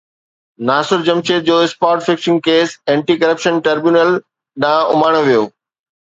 ناصر جمشيد جو spot fixing case anti corruption tribunal ڏانهن اماڻيو ويو